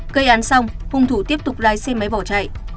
gây án xong hung thủ tiếp tục lái xe máy bỏ chạy